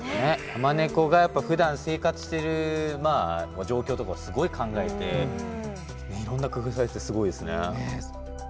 ヤマネコがやっぱふだん生活してる状況とかをすごい考えていろんな工夫されててすごいですね。